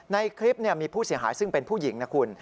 ในคลิปมีผู้เสียหายซึ่งเป็นผู้หญิงนะคุณ